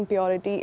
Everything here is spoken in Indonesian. ini bukan kebenaran